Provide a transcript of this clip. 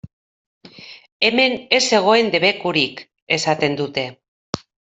Hemen ez zegoen debekurik!, esaten dute.